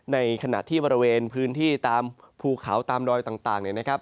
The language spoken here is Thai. ในขณะที่บริเวณพื้นที่ตามภูเขาตามดอยต่างเนี่ยนะครับ